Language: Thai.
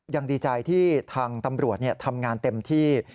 ยังดีใจที่ทางตำรวจทำงานเต็มที่